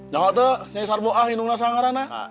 jangan itu nyai sarboh ini ini ini